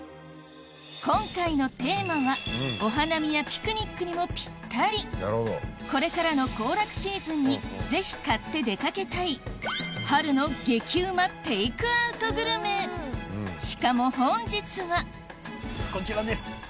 今回のテーマはお花見やピクニックにもぴったりこれからの行楽シーズンにぜひ買って出かけたいしかも本日はこちらです。